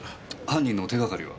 犯人の手がかりは？